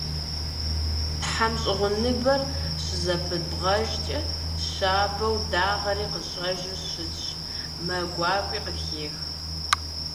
ТхьэмщӀыгъуныбэр щызэпыбгъэжкӀэ щабэу, дагъэри къыщӀэжу щытщ, мэ гуакӀуи къыхех.